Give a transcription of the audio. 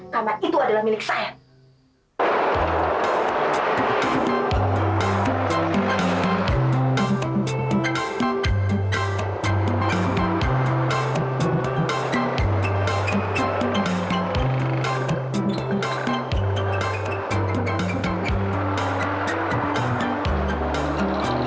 karena itu adalah milik saya